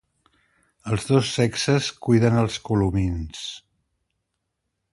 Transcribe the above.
Els dos sexes cuiden els colomins.